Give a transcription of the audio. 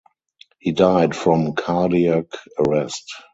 He died from cardiac arrest.